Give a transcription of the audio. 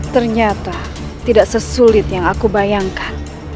ternyata tidak sesulit yang aku bayangkan